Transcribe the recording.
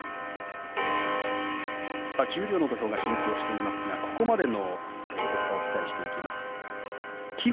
十両の土俵が進行していますがここまでの結果をお伝えしていきます。